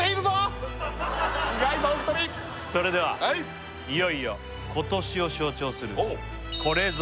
意外と本当にそれではいよいよ今年を象徴するこれぞ！